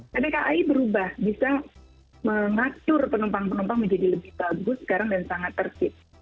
pt kai berubah bisa mengatur penumpang penumpang menjadi lebih bagus sekarang dan sangat tertib